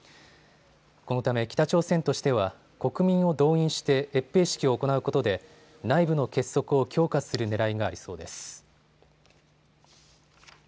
このため北朝鮮としては国民を動員して閲兵式を行うことで内部の結束を強化するねらいがありそうです。